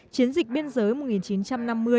chiến dịch biên giới năm một nghìn chín trăm bốn mươi năm